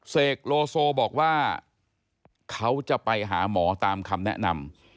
เสกโลโซบอกว่าเขาจะไปหาหมอตามคำแนะนำ